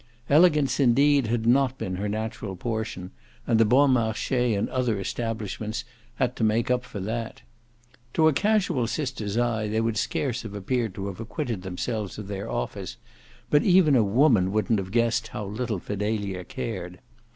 Elegance indeed had not been her natural portion, and the Bon Marche and other establishments had to make up for that. To a casual sister's eye they would scarce have appeared to have acquitted themselves of their office, but even a woman wouldn't have guessed how little Fidelia cared.